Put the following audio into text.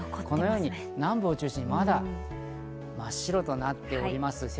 このように南部を中心にまだ真っ白となっております。